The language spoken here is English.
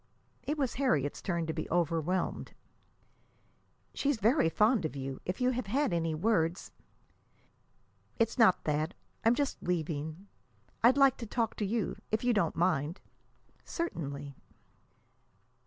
It was Harriet's turn to be overwhelmed. "She's very fond of you. If you have had any words " "It's not that. I'm just leaving. I'd like to talk to you, if you don't mind." "Certainly."